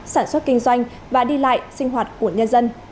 sản xuất kinh doanh và đi lại sinh hoạt của nhân dân